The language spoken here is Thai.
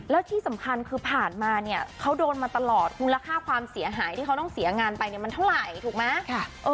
แล้วที่สำคัญคือผ่านมาเนี่ยเขาโดนมาตลอดมูลค่าความเสียหายที่เขาต้องเสียงานไปเนี่ยมันเท่าไหร่ถูกไหม